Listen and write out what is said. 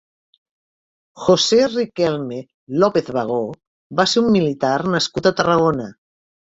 José Riquelme López-Bago va ser un militar nascut a Tarragona.